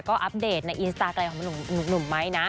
ก็อัปเดตในอินสตาร์ทอะไรของหนุ่มไหมนะ